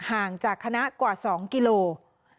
ห่างจากคณะกว่า๒กิโล